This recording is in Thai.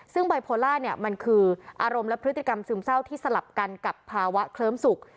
ซึ่งไบโพล่าเนี่ยมันคืออารมณ์และพฤติกรรมซึมเศร้าที่สลับกันกับภาวะเคลิ้มสุข